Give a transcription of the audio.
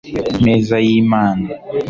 meza y'imana